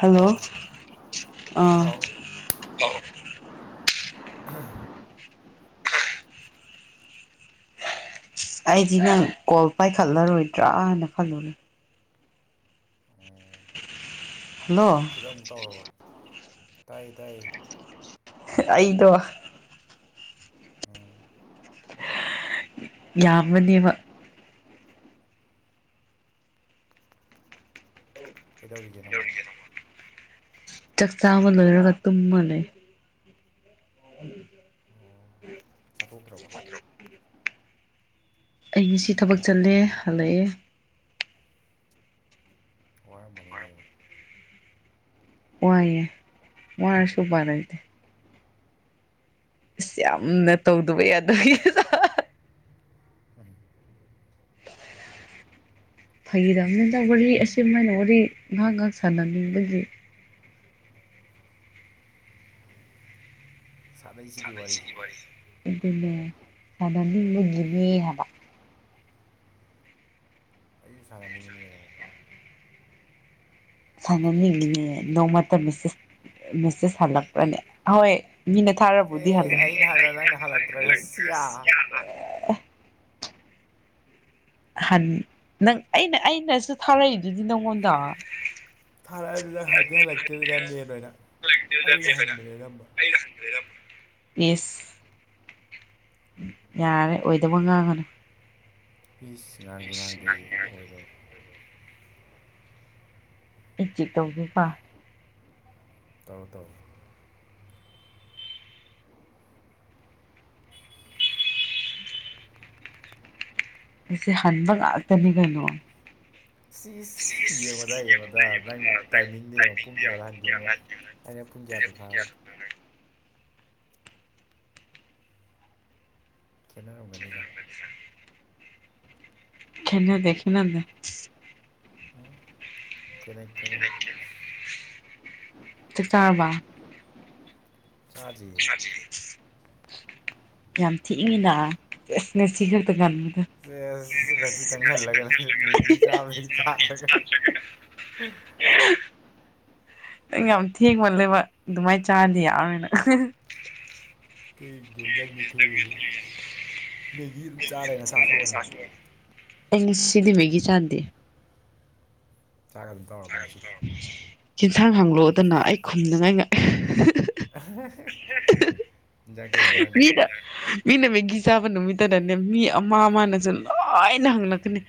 hello ꯑꯥ ꯍꯥꯎ [unintelligible] [inaudible] ꯑꯩꯗꯤ ꯅꯪ ꯀꯣꯜ ꯄꯥꯏꯈꯠꯂꯔꯣꯏꯗ꯭ꯔꯥꯅ ꯈꯜꯂꯨꯔꯦ ꯍꯜꯂꯣ ꯁꯤꯗ ꯑꯃꯨꯛ ꯇꯧꯔꯕ ꯇꯥꯏ ꯇꯥꯏ ꯑꯩꯗꯣ [unintelligible] ꯌꯥꯝꯕꯅꯦꯕ ꯀꯩꯗꯧꯔꯤꯒꯦ ꯅꯪꯉꯣ ꯆꯥꯛꯆꯥꯕ ꯂꯣꯏꯔꯒ ꯇꯨꯝꯃꯅꯤ [unintelligible] [inaudible] ꯆꯠꯊꯣꯛꯇ꯭ꯔꯕ ꯑꯩ ꯉꯁꯤ ꯊꯕꯛ ꯆꯠꯂꯦ ꯍꯜꯂꯛꯑꯦ ꯋꯥ ꯔꯝꯃꯅꯤꯅꯦ ꯑꯗꯨꯗꯤ ꯋꯥꯏꯌꯦ ꯋꯥꯔꯁꯨ ꯎꯄꯥꯌ ꯂꯩꯇꯦ ꯑꯁ ꯌꯥꯝꯅ ꯇꯧꯗꯕ ꯌꯥꯗꯒꯤ ꯎꯝ [inaudible] [unintelligible] ꯐꯩꯗꯕꯅꯤꯅ ꯋꯥꯔꯤ ꯑꯃꯥꯏꯅ ꯋꯥꯔꯤ ꯉꯥꯏꯍꯥꯛ ꯉꯥꯏꯍꯥꯛ ꯁꯥꯟꯅꯅꯤꯡꯕꯕꯁꯤ [unintelligible] [inaudible] ꯁꯥꯟꯅꯩꯁꯤꯗꯤ ꯑꯗꯨꯅꯦ ꯋꯥꯔꯤ ꯁꯥꯅꯤꯪꯕꯒꯤꯅꯦ ꯍꯥꯏꯕ ꯑꯩꯁꯨ ꯁꯥꯟꯅꯅꯤꯡꯉꯤꯅꯦꯕ ꯁꯥꯟꯅꯅꯤꯡꯉꯉꯦ ꯅꯣꯡꯃꯇ ꯃꯦꯁꯦꯁ ꯃꯦꯁꯦꯖ ꯍꯜꯂꯛꯄ꯭ꯔꯅꯦ ꯑꯣꯏ [unintelligible] ꯑꯦ ꯑꯩꯅ ꯍꯜꯂ ꯅꯪꯅ ꯍꯜꯂꯛꯇ꯭ꯔꯒ ꯁꯤꯌꯥ ꯍꯟ ꯅꯪ ꯑꯩꯅ ꯑꯩꯅꯁꯨ ꯊꯥꯔꯛꯏꯗꯨꯗꯤ ꯅꯪꯉꯣꯟꯗ ꯊꯥꯔꯛꯑ ꯑꯗꯨꯗ ꯍꯥꯏꯗꯤ ꯍꯜꯂꯛꯇꯦꯗꯨꯅ ꯃꯦꯟ ꯑꯣꯏꯅ ꯑꯩꯅ ꯍꯟꯕꯅꯦꯔꯝꯕ ꯏꯁ ꯌꯥꯔꯦ ꯑꯣꯏꯗꯕ ꯉꯥꯡꯉꯅꯨ ꯄꯤꯁ [unintelligible] [unintelligible] ꯇꯧꯒꯦꯀꯣ ꯇꯧ ꯇꯧ ꯑꯁꯤꯁ ꯍꯟꯕ ꯉꯥꯛꯇꯅꯤ ꯀꯩꯅꯣ ꯁꯤ ꯌꯦꯡꯉꯥꯗ ꯌꯦꯡꯉꯗ ꯅꯪ ꯇꯥꯏꯃꯤꯡꯗ ꯌꯦꯡꯉꯣ ꯄꯨꯡ ꯀꯌꯥꯣ ꯍꯟꯈꯤꯕꯦ ꯅꯪ ꯑꯩꯅ ꯄꯨꯡꯟ ꯀꯌꯥꯗꯣ ꯐꯥꯔꯦ ꯈꯦꯠꯅꯔꯝꯒꯅꯤꯕ [unintelligible] [inaudible] ꯈꯦꯟꯅꯗꯦ ꯈꯟꯅꯗꯦ [unintelligible] [inaudible] ꯈꯦꯠꯅꯩ ꯈꯦꯠꯅꯩ [unintelligible] ꯆꯥꯛ ꯆꯔꯕꯥ ꯆꯥꯗ꯭ꯔꯤꯌꯦ ꯁꯥꯆ [unintelligible] [inaudible] ꯌꯥꯝ ꯊꯤꯉꯤꯅ ꯑꯁꯅꯦ ꯁꯤ ꯈꯛꯇ ꯀꯗ ꯀꯁꯤ ꯇ ꯂꯅ ꯃꯤꯒꯤ ꯆꯥꯕ ꯂꯩ ꯆꯥꯗꯒ [unintelligible] [inaudible] ꯌꯥꯝ ꯊꯦꯡꯕ ꯂꯩꯕ ꯑꯗꯨꯃꯥꯏꯅ ꯆꯥꯗꯤ ꯌꯥꯔꯣꯏꯅ ꯂꯒ ꯃꯤꯒꯤ ꯑꯦꯁꯤꯗꯤ ꯃꯒꯤ ꯆꯥꯗ ꯆꯥꯛ ꯑꯗꯨꯝ ꯇꯧꯔꯕꯣ ꯉꯁꯤꯗ ꯌꯦꯟꯁꯥꯡ ꯍꯥꯡꯂꯣꯛꯗꯅ ꯑꯩ ꯈꯨꯝꯅꯉꯥꯏ [inaudible] ꯏꯟꯖꯥꯡ ꯀꯩ ꯏꯟꯖꯥꯡꯅꯣ ꯃꯤꯗ ꯃꯤꯅ ꯃꯤꯒꯤ ꯆꯥꯕ ꯅꯨꯃꯤꯠꯇꯗꯅꯦ ꯃꯤ ꯑꯃ ꯑꯃꯅꯁꯨ ꯂꯥꯏꯅ ꯍꯪꯂꯛꯀꯅꯤ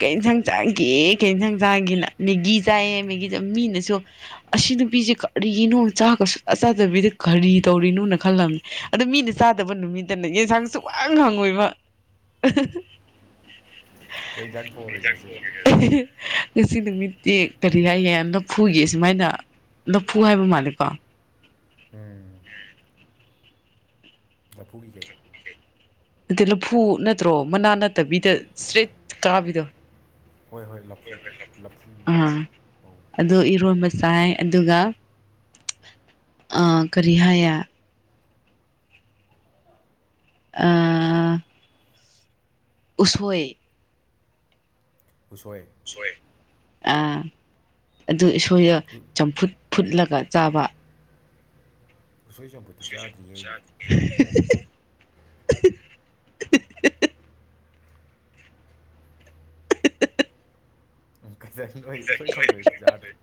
ꯀꯁꯥꯡ ꯆꯥꯈꯤꯦ ꯀꯁꯥꯡ ꯆꯥꯒꯦꯅ ꯃꯦꯒꯤ ꯆꯥꯏꯌꯦ ꯃꯦꯒꯤꯗ ꯃꯤꯅꯁꯨ ꯑꯁꯤ ꯅꯨꯄꯤꯁꯦ ꯀꯔꯤꯒꯤꯅꯣ ꯆꯥꯁꯨ ꯆ ꯆꯥꯗꯕꯤꯗ ꯀꯔꯤ ꯇꯧꯔꯤꯅꯣꯅ ꯈꯜꯂꯝꯃꯤ ꯑꯗꯨ ꯃꯤꯅ ꯆꯥꯗꯕ ꯅꯨꯃꯤꯠꯇꯅ ꯌꯦꯟꯁꯥꯡꯁꯨ ꯋꯥꯡ ꯍꯪꯉꯣꯏꯕ ꯀꯩ ꯖꯥꯡ ꯊꯣꯡ ꯉꯥꯁꯤ ꯉꯁꯤ ꯅꯨꯃꯤꯠꯇꯤ ꯀꯔꯤ ꯍꯥꯏ ꯍꯥꯏꯅ ꯐꯨꯒꯦ ꯁꯨꯃꯥꯏꯅ ꯂꯐꯨ ꯍꯥꯏꯕ ꯃꯥꯜꯂꯦꯀꯣ ꯎꯝ [inaudible] ꯂꯐꯨꯒꯤꯈꯩ ꯅꯠꯇꯦ ꯂꯐꯨ ꯅꯠꯇ꯭ꯔꯣ ꯃꯅꯥ ꯅꯠꯇꯕꯤꯗ ꯏꯁꯇ꯭ꯔꯦꯠ ꯀꯥꯕꯤꯗꯣ ꯍꯣꯏ ꯍꯣꯏ ꯂꯐꯨ ꯂꯐꯨ ꯑ ꯑꯧ ꯑꯗꯣ ꯏꯔꯣꯕꯁꯥꯏ ꯑꯗꯨꯒ ꯀꯔꯤ ꯍꯥꯏꯌꯦ ꯑꯥ ꯎꯁꯣꯏ ꯎꯁꯣꯏ ꯑ ꯑꯗꯨ ꯎꯁꯣꯏꯗꯣ ꯆꯝꯐꯨꯠ ꯐꯨꯠꯂꯒ ꯆꯥꯕ ꯎꯁꯣꯏ ꯆꯝꯐꯨꯠꯇꯤ ꯆꯥꯗ꯭ꯔꯤꯌꯦ ꯑꯩꯗꯤ [unintelligible] [unintelligible]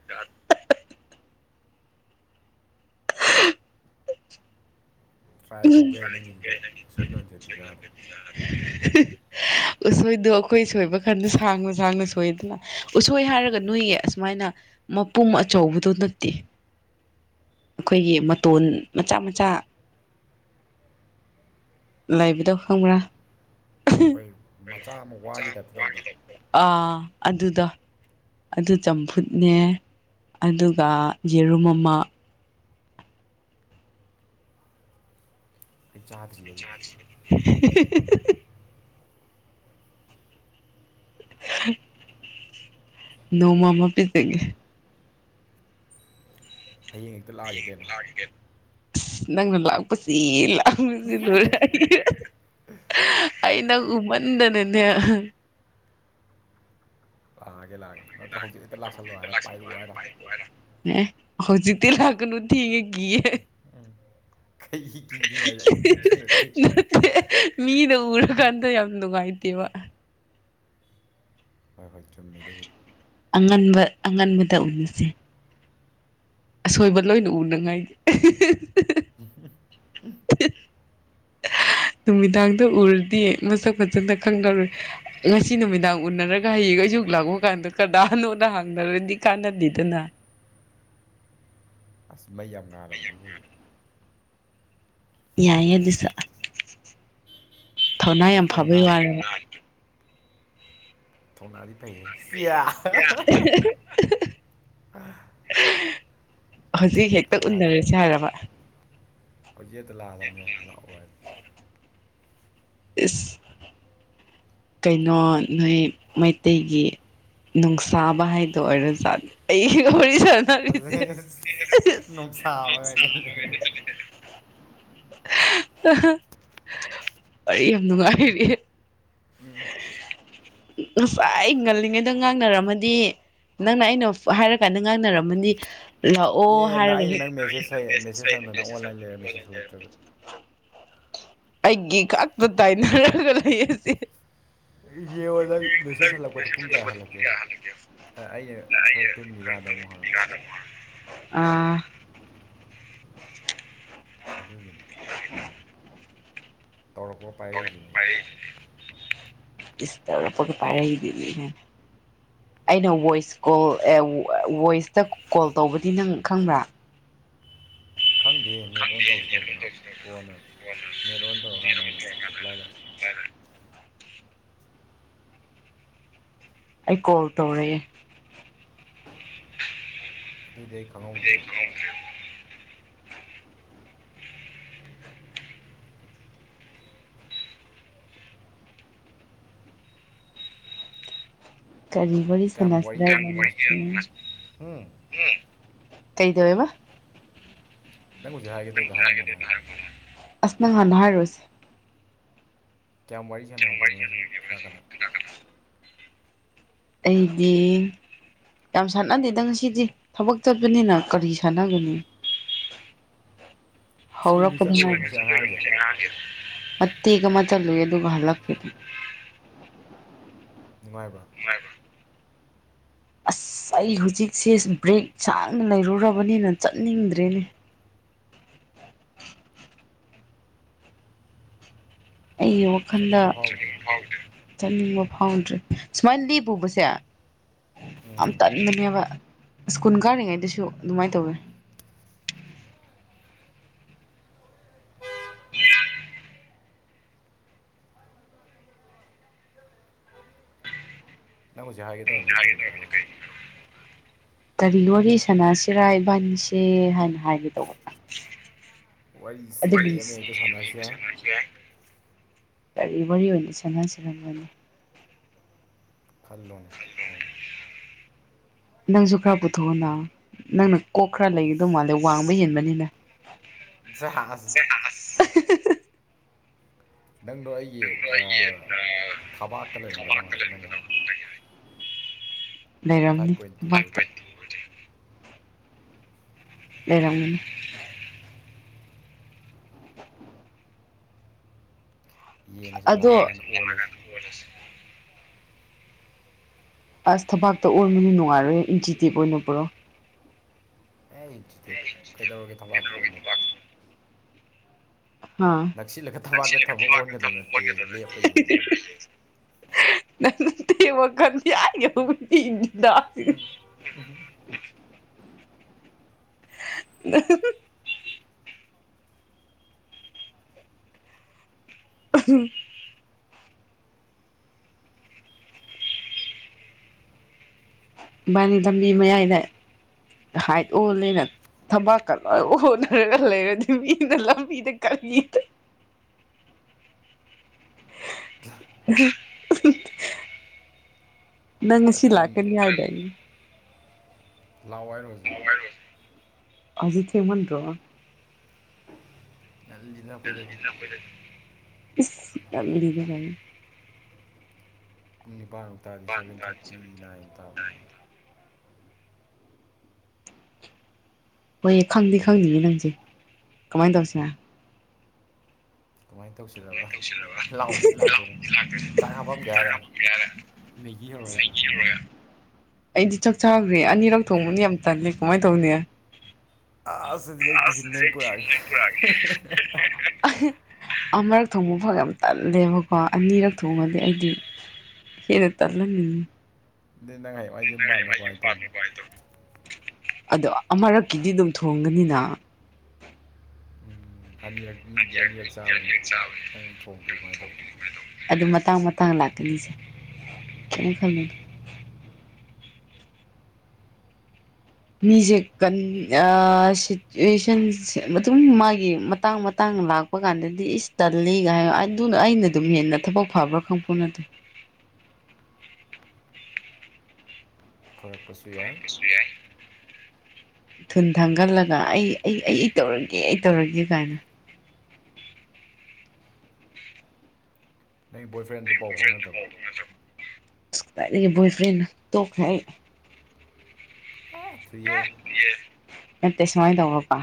ꯇ꯭ꯔꯥꯏ ꯇꯧꯕ ꯌꯥꯏ ꯅꯪꯒꯤꯗꯨꯗ ꯎꯁꯣꯏ ꯀꯥꯡꯁꯣꯏꯗꯤ ꯆꯥꯗ꯭ꯔꯤ [unintelligible] ꯎꯁꯣꯏꯗꯣ ꯑꯩꯈꯣꯏ ꯁꯣꯏꯕ ꯀꯥꯟꯗ ꯁꯥꯡꯅ ꯁꯥꯡꯅ ꯁꯣꯏꯗꯅ ꯎꯁꯣꯏ ꯍꯥꯏꯔꯒ ꯅꯣꯏꯒꯤ ꯑꯁꯨꯃꯥꯏꯅ ꯃꯄꯨꯝ ꯑꯆꯧꯕꯗꯨ ꯅꯠꯇꯦ ꯑꯩꯈꯣꯏꯒꯤ ꯃꯇꯣꯟ ꯃꯆꯥ ꯃꯆꯥ ꯂꯥꯏꯕꯤꯗꯧ ꯈꯪꯕ꯭ꯔꯥ ꯑꯩꯈꯣꯏ ꯃꯆꯥ ꯑꯃ ꯋꯥꯈꯤꯗꯗꯧꯗ ꯑꯥ ꯑꯗꯨꯗ ꯑꯗꯨ ꯆꯝꯐꯨꯠꯅꯦ ꯑꯗꯨꯒ ꯌꯦꯔꯨꯝ ꯑꯃ ꯑꯩ ꯆꯥꯗ꯭ꯔꯤꯌꯦ ꯑꯗꯨꯗꯤ [inaudible] [inaudible] ꯅꯣꯡꯃꯃꯥ ꯄꯤꯖꯒꯦ ꯍꯌꯦꯡ ꯍꯦꯛꯇ ꯂꯥꯛꯑꯒꯦ ꯀꯩꯅꯣ ꯅꯪ ꯂꯥꯛꯄꯁꯤꯂ [unintelligible] ꯑꯩ ꯅꯪ ꯎꯃꯟꯗꯅꯅꯦ ꯂꯥꯛꯑꯒꯦ ꯂꯥꯛꯑꯒ ꯅꯠꯇ꯭ꯔ ꯍꯧꯖꯤꯛ ꯍꯦꯛꯇ ꯂꯥꯛꯁꯜꯂꯣ ꯍꯥꯏꯔ ꯄꯥꯏꯔꯛꯑꯣ ꯍꯥꯏꯔ [unintelligible] ꯍꯧꯖꯤꯛꯗꯤ ꯂꯥꯛꯒꯅꯨ ꯊꯦꯡꯉꯦ ꯀꯤꯌꯦ ꯀꯩꯒꯤ ꯀꯤꯗꯣꯏꯅꯣ ꯍꯥꯏꯖꯦ ꯑꯩ ꯚꯨꯠꯁꯨ ꯅꯠꯇꯦ ꯃꯤꯅ ꯎꯔꯀꯥꯟꯗ ꯌꯥꯝ ꯅꯨꯡꯉꯥꯏꯇꯦꯕ ꯍꯣꯏ ꯍꯣꯏ ꯆꯨꯝꯃꯤ ꯑꯗꯨꯕꯨꯗꯤ ꯑꯉꯟꯕ ꯑꯉꯟꯕꯗ ꯎꯅꯁꯦ ꯑꯁꯣꯏꯕ ꯂꯣꯏꯅ ꯎꯅꯉꯥꯏꯒꯤ ꯅꯨꯃꯤꯗꯥꯡꯗ ꯎꯔꯗꯤ ꯃꯁꯛ ꯐꯖꯅ ꯈꯪꯉꯔꯣꯏ ꯉꯁꯤ ꯅꯨꯃꯤꯗꯥꯡ ꯎꯅꯔꯒ ꯍꯌꯦꯡꯈ ꯑꯩꯁꯨꯛ ꯂꯥꯛꯄ ꯀꯥꯟꯗ ꯀꯅꯥꯅꯣꯅ ꯍꯥꯡꯅꯔꯗꯤ ꯀꯥꯟꯅꯗꯦꯗꯅ ꯑꯁ ꯃꯩ ꯌꯥꯝ ꯉꯥꯜꯂꯕꯗꯨꯕꯨ ꯍꯨꯖꯤꯛ ꯌꯥꯏꯌꯦ ꯑꯗꯨꯁꯨ ꯊꯧꯅꯥ ꯌꯥꯝ ꯃꯩꯒ ꯐꯕꯩ ꯉꯥꯟꯗ꯭ꯔꯦ ꯋꯥꯔꯕ ꯊꯧꯅꯥꯗꯤ ꯐꯩꯍꯦ ꯁꯤꯌꯥ ꯍꯧꯖꯤꯛ ꯍꯦꯛꯇ ꯊꯣꯡꯅꯥꯗꯤ ꯎꯅꯔꯁꯦ ꯍꯥꯏꯔꯕ ꯍꯧꯖꯤꯛ ꯍꯦꯠꯇ ꯂꯥꯛꯑꯗꯕꯅꯦ ꯂꯥꯛꯑꯣ ꯍꯥꯏꯔꯗꯤ ꯏꯁ ꯀꯩꯅꯣ ꯅꯣꯏ ꯃꯩꯇꯩꯒꯤ ꯅꯨꯡꯁꯥꯕ ꯍꯥꯏꯗꯣ ꯑꯣꯏꯔꯁꯨ ꯑꯩ [unintelligible] [unintelligible] ꯅꯨꯡꯁꯥꯕꯒ ꯍꯥꯢꯖꯤꯜꯂꯤ ꯋꯥꯔꯤ ꯌꯥꯝ ꯅꯨꯡꯉꯥꯏꯔꯤꯌꯦ [unintelligible] ꯉꯁꯥꯢ ꯉꯜꯂꯤꯉꯩꯗ ꯉꯥꯡꯅꯔꯝꯃꯗꯤ ꯅꯪꯅ ꯑꯩꯅ ꯍꯥꯏꯔ ꯀꯥꯟꯗ ꯉꯥꯡꯅꯔꯝꯃꯗꯤ ꯂꯥꯛꯑꯣ ꯑꯦ ꯅꯪ ꯍꯥꯏꯔꯒ ꯑꯩꯅ ꯅꯪ ꯃꯦꯁꯦꯖ ꯍꯥꯏ ꯃꯦꯁꯦꯖ ꯍꯟꯕ ꯅꯪ ꯑꯣꯟꯂꯥꯏꯟ ꯂꯩꯔ ꯃꯦꯁꯦꯖ ꯍꯜꯂꯛꯇ꯭ꯔꯒ [unintelligible] ꯑꯩꯒꯤ ꯈꯛꯇ ꯇꯥꯏꯅꯔꯒ ꯂꯩꯌꯦꯁꯤ ꯌꯦꯡꯉꯣ ꯅꯪ ꯃꯦꯁꯦꯖ ꯍꯜꯂꯛꯄꯗꯣ ꯄꯨꯡ ꯀꯌꯥ ꯍꯜꯂꯛꯀꯦ ꯌꯦꯡꯉꯣ ꯑꯩꯅ ꯈꯔ ꯇꯨꯝꯃꯤꯒꯥꯟꯗ ꯑꯃꯨꯛ [unintelligible] ꯑꯥ ꯑꯗꯨꯒꯤꯅꯤ [unintelligible] ꯇꯧꯔꯛꯄꯒ ꯄꯥꯢꯔꯛꯢꯗꯨꯅꯤ ꯏꯁ ꯇꯩꯔꯛꯄꯒ ꯄꯥꯢꯔꯛꯗꯨꯅꯤ ꯒꯥꯏꯅ ꯑꯩꯅ ꯋꯣꯏꯁ ꯀꯣꯜ ꯋꯣꯏꯁꯇ ꯀꯣꯜ ꯇꯧꯕꯗꯤ ꯅꯪ ꯈꯪꯕ꯭ꯔꯥ ꯈꯪꯗꯦ ꯅꯦꯠ ꯑꯣꯟ ꯇꯧꯁꯨ ꯇꯧꯗꯅ ꯀꯣꯟꯅ ꯅꯦꯠ ꯑꯣꯟ ꯇꯧꯔꯀꯥꯟꯗ ꯑꯣꯢꯅ ꯔꯤꯄ꯭ꯂꯥꯏ ꯂꯥꯛꯑꯦ ꯑꯩ ꯀꯣꯜ ꯇꯧꯔꯛꯑꯦ ꯑꯗꯨꯗꯤ ꯑꯩ ꯈꯪꯍꯧꯗ꯭ꯔꯦꯕ [inaudible] ꯀꯔꯤ ꯋꯥꯔꯤ ꯀꯌꯥꯝ ꯋꯥꯔꯤ ꯁꯥꯟꯅꯁꯤꯔ ꯀꯌꯥꯝ ꯉꯔꯥꯡ ꯉꯁꯤ ꯃꯣꯢꯒꯤ ꯎꯝ ꯀꯩꯗꯧꯔꯦꯕ ꯅꯪ ꯍꯧꯖꯤꯛ ꯍꯥꯢ ꯅꯪ ꯍꯧꯖꯤꯛ ꯍꯥꯢꯒꯦ ꯇꯩꯗꯣ ꯍꯥꯢꯔꯛꯄꯅꯦ ꯑꯁ ꯅꯪ ꯍꯥꯟꯅ ꯍꯥꯢꯔꯛꯑꯣꯁꯦ ꯀꯌꯥꯝ ꯋꯥꯔꯤ ꯁꯥꯟꯅꯔꯒꯦꯕ ꯉꯁꯤ ꯀꯅꯥ ꯀꯅꯥ ꯑꯩꯗꯤ ꯌꯥꯝ ꯁꯥꯟꯅꯗꯦꯗ ꯉꯁꯤꯗꯤ ꯊꯕꯛ ꯆꯠꯄꯅꯤꯅ ꯀꯔꯤ ꯁꯥꯟꯅꯒꯅꯤ ꯁ꯭ꯀꯨꯜꯒꯤ ꯍꯧꯔꯛꯄꯗ ꯆꯠꯂꯨꯏꯔꯣ ꯉꯁꯤ ꯑꯉꯥꯡꯒꯤ ꯉꯥꯢꯔꯤ ꯃꯇꯦꯛ ꯑꯃ ꯆꯠꯂꯨꯏ ꯑꯗꯨꯒ ꯍꯜꯂꯛꯄ ꯅꯨꯡꯉꯥꯏꯕ꯭ꯔꯥ ꯅꯨꯡꯉꯥꯏꯕ꯭ꯔꯣ ꯑꯁ ꯑꯩ ꯍꯧꯖꯤꯛꯁꯦ ꯕ꯭ꯔꯦꯛ ꯁꯥꯡꯅ ꯂꯩꯔꯨꯔꯕꯅꯤꯅ ꯆꯠꯅꯤꯡꯗ꯭ꯔꯦꯅꯦ ꯑꯩꯒꯤ ꯋꯥꯈꯜꯗ ꯆꯠꯅꯤꯡꯕ ꯐꯥꯎꯗ꯭ꯔꯦ ꯆꯠꯅꯤꯡꯕ ꯐꯥꯎꯗ꯭ꯔꯦ ꯁꯨꯃꯥꯏꯅ ꯂꯦꯞꯄꯨꯕꯁꯦ ꯌꯥꯝ ꯎꯝ ꯇꯟꯗꯅꯦꯕ ꯁ꯭ꯀꯨꯜ ꯀꯥꯔꯤꯉꯩꯗꯁꯨ ꯑꯗꯨꯃꯥꯏꯅ ꯇꯧꯋꯤ ꯅꯪ ꯍꯧꯖꯤꯛ ꯍꯥꯏꯒꯦ ꯇꯧꯔꯃꯤꯗꯤ ꯀꯩꯅꯣ ꯍꯥꯏꯔꯛꯑꯣ ꯀꯔꯤ ꯑꯣꯏꯔꯤ ꯁꯅꯥꯁꯤꯔꯥ ꯏꯕꯥꯅꯤꯁꯦ ꯍꯥꯏꯅ ꯍꯥꯏꯒꯦ ꯇꯧꯕ ꯑꯗꯨꯒꯤ ꯋꯥꯔꯤꯁꯦ ꯑꯃ ꯍꯦꯛꯇ ꯁꯥꯟꯅꯔꯁꯨ ꯌꯥꯏ ꯀꯔꯤ ꯋꯥꯔꯤ ꯑꯣꯢꯅ ꯁꯥꯟꯅꯁꯤꯔꯥ ꯅꯦ ꯈꯜꯂꯣꯅꯦ ꯅꯪꯁꯨ ꯈꯔ ꯄꯨꯊꯣꯛꯑꯣꯅ ꯅꯪꯅ ꯀꯣꯛ ꯈꯔ ꯂꯩꯒꯗꯧ ꯃꯥꯜꯂꯦ ꯋꯥꯡꯕ ꯍꯦꯟꯕꯅꯤꯅ ꯖꯍꯥꯁ ꯖꯍꯥꯁ ꯅꯪꯗꯣ ꯑꯩꯒꯤ ꯑꯥ ꯊꯕꯥꯛꯇ ꯂꯩꯔꯝꯒꯗꯕ ꯅꯪꯒꯤ ꯍꯥꯏꯇꯣ ꯐꯥꯏꯚ ꯂꯩꯔꯝꯅꯤ ꯄꯣꯏꯟ ꯇꯨ ꯑꯣꯏꯔꯗꯤ ꯂꯩꯔꯝꯅꯤ ꯌꯦꯡꯉꯁꯤ ꯂꯥꯛꯑꯀꯥꯟꯗ ꯑꯣꯜꯂꯁꯤ ꯑꯣꯜꯂꯁꯤ ꯑꯁ ꯊꯕꯥꯛꯇ ꯑꯣꯟꯕꯅꯤ ꯅꯨꯡꯉꯥꯏꯔꯣꯏ ꯏꯟꯆꯤꯇꯦꯞ ꯑꯣꯏꯅ ꯄꯨꯔꯧ ꯑꯩ ꯢꯟꯆꯤꯇꯦꯞ ꯀꯩꯗꯧꯔꯒꯦ ꯊꯕꯥꯛꯇ ꯑꯣꯟꯕꯗꯣ ꯍꯥ ꯅꯛꯁꯤꯜꯂꯒ ꯃꯁꯤ ꯊꯕꯥꯛꯇ ꯂꯦꯕꯦꯜ ꯁꯤꯗꯤ ꯊꯝꯃ ꯊꯕꯥꯛꯇ ꯑꯣꯟꯒꯗꯕ ꯅꯠꯇꯦ ꯊꯝꯃꯒ ꯑꯣꯟꯗꯧ ꯂꯦꯞꯄ ꯅꯠꯇꯤꯌꯦ ꯌꯦꯡꯖꯕ ꯅꯠꯇ ꯋꯥꯈꯜꯗꯤꯌꯥꯏꯒ [inaudible] ꯎꯝ ꯕꯥꯅꯤ ꯇꯝꯕꯤ ꯃꯌꯥꯏꯗ ꯍꯥꯏ ꯑꯣꯜꯂꯅ ꯊꯝꯄꯥꯛꯀ ꯂꯣꯏ ꯍꯣꯠꯅꯔꯒ ꯂꯩꯔꯗꯤ ꯃꯤꯅ ꯂꯝꯕꯤꯗ ꯀ [unintelligible] ꯅꯪ ꯉꯁꯤ ꯅꯠꯇ꯭ꯔ ꯂꯥꯛꯀꯅꯤ ꯍꯥꯢꯗꯥꯢꯅꯦ ꯂꯋꯥꯏ ꯂꯥꯎ ꯍꯥꯢꯔꯣ ꯍꯧꯖꯤꯛ ꯊꯦꯡꯃꯟꯗ꯭ꯔꯣ ꯇꯜꯂꯤꯗ ꯌꯥꯝ ꯂꯤꯒꯅꯤ ꯄꯨꯡ ꯅꯤꯄꯥꯟꯃꯨꯛ ꯇꯥꯔꯗꯤ ꯁꯚꯦꯟ ꯊꯥꯔꯇꯤ ꯅꯥꯏꯟꯨ ꯇꯥꯕꯅꯤ ꯍꯣꯏ ꯈꯪꯗꯤ ꯈꯪꯗꯅꯦ ꯅꯪꯁꯦ ꯀꯃꯥꯏꯅ ꯇꯧꯁꯤꯅ ꯀꯃꯥꯏꯅ ꯇꯧꯁꯤꯕ ꯂꯥꯛꯑꯣꯗꯤ ꯂꯥꯛ ꯂꯥꯛꯇꯣꯏꯅꯦ ꯂꯥꯛ ꯆꯥꯛ ꯍꯥꯞꯄꯝꯒꯦ ꯍꯥꯏꯔꯦ ꯌꯥꯔꯦ ꯃꯦꯒꯤ ꯍꯧꯔꯒ ꯀꯌꯥꯔ ꯑꯩꯗꯤ ꯆꯥꯛ ꯆꯥꯒ꯭ꯔꯦ ꯑꯅꯤꯔꯛ ꯊꯣꯡꯕꯗꯤ ꯌꯥꯝ ꯇꯜꯂꯦ ꯀꯃꯥꯏ ꯇꯧꯅꯤ ꯑꯁ ꯑꯗꯨꯗꯤ ꯑꯩ ꯇꯤꯐꯤꯟ ꯅꯣꯏ ꯄꯨꯔꯛꯑꯒꯦ [unintelligible] ꯑꯃꯔꯛ ꯊꯣꯡꯕ ꯐꯥꯎ ꯌꯥꯝ ꯇꯜꯂꯦꯕꯀꯣ ꯑꯅꯤꯔꯛ ꯊꯣꯡꯉꯗꯤ ꯑꯩꯗꯤ [unintelligible] ꯑꯗꯨ ꯅꯪ ꯍꯌꯦꯡꯏꯋꯥꯏ ꯌꯨꯝ ꯄꯥꯟꯕꯗ ꯀꯃꯥꯏꯅ ꯇꯧꯅꯤ ꯑꯗꯣ ꯑꯃꯔꯛꯀꯤꯗꯤ ꯑꯗꯨꯝ ꯊꯣꯡꯒꯅꯤꯅ ꯑꯅꯤꯔꯛ ꯃꯤꯒꯤꯗꯤ ꯑꯅꯤꯔꯛ ꯆꯥꯕꯅꯤ ꯅꯪ ꯊꯣꯡꯗꯣꯏꯔꯤ ꯀꯃꯥꯏꯅ ꯇꯧꯕ ꯑꯗꯨ ꯃꯇꯥꯡ ꯃꯇꯥꯡ ꯂꯥꯛꯀꯅꯤꯁꯦ ꯀꯩꯝ ꯈꯟꯂꯨꯅꯨ ꯃꯤꯁꯦ ꯁꯤꯆꯨꯋꯦꯁꯟ ꯃꯇꯨꯡ ꯃꯥꯒꯤ ꯃꯇꯥꯡ ꯃꯇꯥꯡ ꯂꯥꯛꯄ ꯊꯣꯛꯄ ꯀꯥꯟꯗꯗꯤ ꯏꯁ ꯇꯜꯂꯤꯒꯥꯏ ꯑꯗꯨꯅ ꯑꯩꯅ ꯑꯗꯨꯝ ꯍꯦꯟꯅ ꯊꯕꯛ ꯐꯕ꯭ꯔꯥ ꯈꯪꯄꯅꯠꯇꯦ ꯐꯣꯔꯛꯄꯁꯨ ꯌꯥꯏ ꯏꯁꯤꯁꯕꯤ ꯑꯥꯏ ꯊꯨꯟ ꯊꯥꯡꯒꯠꯂꯒ ꯑꯩ ꯑꯩ ꯑꯩ ꯑꯩ ꯇꯧꯔꯒꯦ ꯑꯩ ꯇꯧꯔꯒꯦ ꯀꯥꯏꯅ ꯅ ꯣꯏ ꯣꯌ ꯐ꯭ꯔꯦꯟ ꯊꯨꯏꯌꯦ ꯅꯠꯇꯦ ꯁꯨꯃꯥꯏꯅ ꯇꯧꯕ꯭ꯔ ꯀ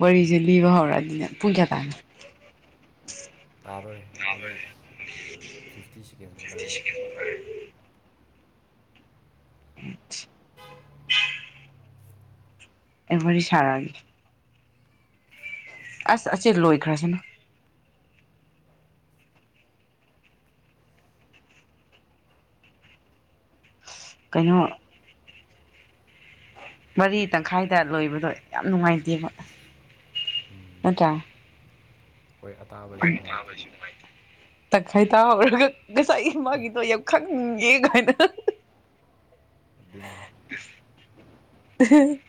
ꯋꯥꯔꯤꯁꯦ ꯂꯤꯕ ꯍꯧꯔꯛꯑꯅꯤꯅꯦ ꯄꯨꯡ ꯀꯌꯥ ꯇꯥꯅꯣ ꯇꯥꯗꯣꯔꯦ ꯑꯣꯡꯂꯤ ꯐꯤꯐꯇꯤ ꯁꯦꯀꯦꯟꯁ ꯃꯨꯛꯇ ꯉꯥꯢꯔꯦ [unintelligible] ꯑꯩ ꯋꯥꯔꯤ ꯁꯔꯥꯒꯦ ꯑꯁ ꯑꯁꯤ ꯂꯣꯏꯈ꯭ꯔꯁꯅꯨ ꯀꯩꯅꯣ ꯃꯔꯤ ꯇꯪꯈꯥꯏꯗ ꯂꯣꯏꯕꯗꯣ ꯌꯥꯝ ꯅꯨꯡꯉꯥꯏꯇꯦꯕ ꯅꯠꯇ꯭ꯔꯥ ꯍꯣꯏ ꯑꯇꯥꯕꯩꯁꯨ ꯅꯨꯡꯉꯥꯏꯇꯦ [unintelligible] ꯇꯪꯈꯥꯏ ꯇꯥꯍꯔꯒ ꯉꯁꯥꯏ ꯃꯥꯒꯤꯗꯣ ꯌꯥꯝ ꯈꯪꯉꯦ ꯀꯥꯏꯅ [inaudible] ꯗꯤꯜꯂꯤ [unintelligible]